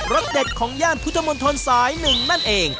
รสเด็ดของย่านพุธมนตรศัยหนึ่งนั่นเอง